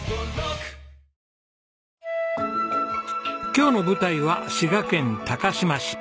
今日の舞台は滋賀県高島市。